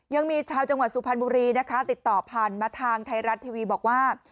ยังมีชาวจังหวัดสุพรรณบุรีนะคะติดต่อผ่านมาทางไทยรัฐทีวีบอกว่า